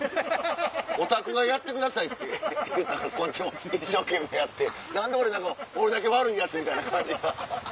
おたくがやってくださいって言うたからこっちも一生懸命やって何で俺だけ悪いヤツみたいな感じに。